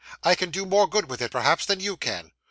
I can do more good with it, perhaps, than you can.